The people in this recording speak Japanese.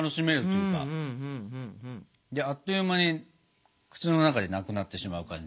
であっという間に口の中でなくなってしまう感じ。